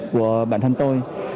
của bản thân tôi